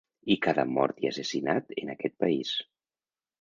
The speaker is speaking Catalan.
I cada mort i assassinat en aquest país.